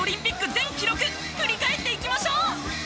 全記録振り返っていきましょう！